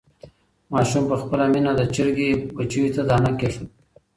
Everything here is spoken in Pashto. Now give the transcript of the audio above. ماشوم په خپله مینه د چرګې بچیو ته دانه کېښوده.